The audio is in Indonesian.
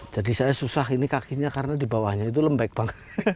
jadi saya susah ini kakinya karena dibawahnya itu lembek bang